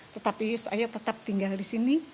tetapi saya tetap tinggal di sini